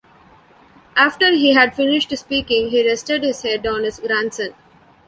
After he had finished speaking, he rested his head on his grandson.